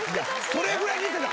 それぐらい似てた。